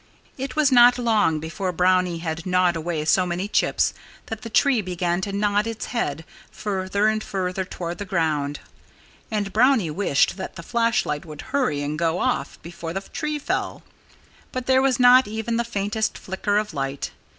It was not long before Brownie had gnawed away so many chips that the tree began to nod its head further and further toward the ground. And Brownie wished that the flash light would hurry and go off before the tree fell. But there was not even the faintest flicker of light.